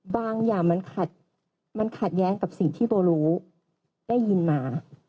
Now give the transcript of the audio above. อย่างมันขัดแย้งกับสิ่งที่โบรู้ได้ยินมา